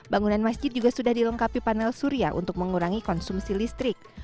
bangunan masjid juga sudah dilengkapi panel surya untuk mengurangi konsumsi listrik